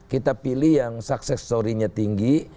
kita pilih yang sukses story nya tinggi